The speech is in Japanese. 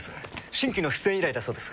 新規の出演依頼だそうです。